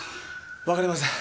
わかりません。